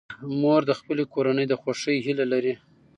مور د خپلې کورنۍ د خوښۍ هیله لري.